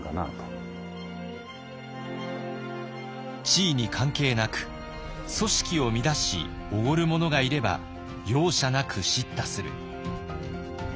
地位に関係なく組織を乱しおごる者がいれば容赦なく叱咤する。